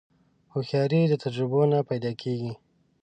هوښیاري د تجربو نه پیدا کېږي.